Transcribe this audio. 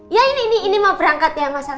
iya ini mau berangkat ya mas al